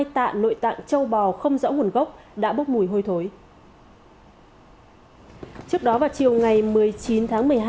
hai tạ nội tạng châu bò không rõ nguồn gốc đã bốc mùi hôi thối trước đó vào chiều ngày một mươi chín tháng một mươi hai